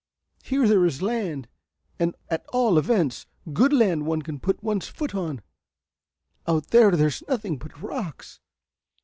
Here there is land, at all events, good land one can put one's foot on; out there there's nothing but rocks.